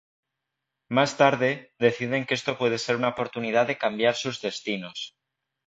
Más tarde, deciden que esto puede ser una oportunidad de cambiar sus destinos.